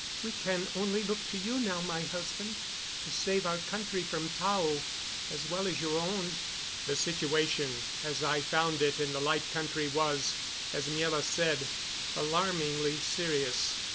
We can only look to you now, my husband, to save our country from Tao as well as your own." The situation as I found it in the Light Country was, as Miela said, alarmingly serious.